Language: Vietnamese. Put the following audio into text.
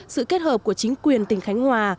sự kết hợp của chính quyền tỉnh khánh hòa